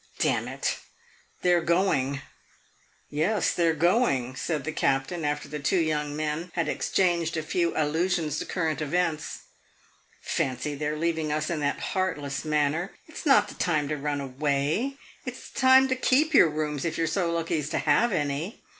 "Damn it, they 're going yes, they 're going," said the Captain, after the two young men had exchanged a few allusions to current events. "Fancy their leaving us in that heartless manner! It 's not the time to run away it 's the time to keep your rooms, if you 're so lucky as to have any.